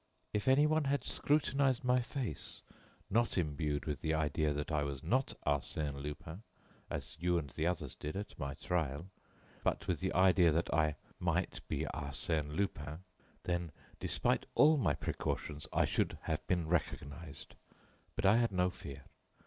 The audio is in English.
If anyone had scrutinized my face, not imbued with the idea that I was not Arsène Lupin, as you and the others did at my trial, but with the idea that I might be Arsène Lupin; then, despite all my precautions, I should have been recognized. But I had no fear.